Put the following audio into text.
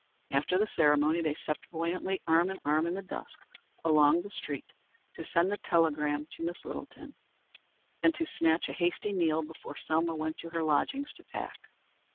After the ceremony they stepped buoyantly, arm in arm in the dusk, along the street to send the telegram to Miss Littleton, and to snatch a hasty meal before Selma went to her lodgings to pack.